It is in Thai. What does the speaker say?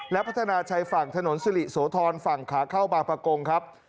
และพัฒนาชายฝั่งถนนสิริโสธรฝั่งขาเข้าบางประกงครับ